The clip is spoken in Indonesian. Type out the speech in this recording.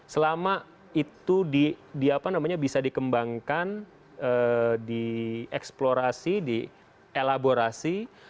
selama itu bisa dikembangkan dieksplorasi dielaborasi